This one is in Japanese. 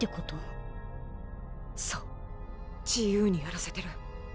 そう自由にやらせてる。